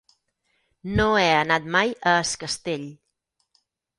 No he anat mai a Es Castell.